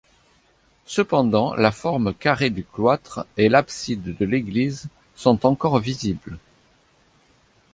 Cependant, la forme carrée du cloître et l'abside de l'église sont encore visibles.